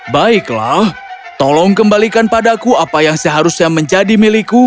baiklah tolong kembalikan padaku apa yang seharusnya menjadi milikku